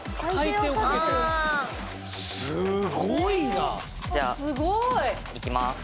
すごい！じゃあいきます。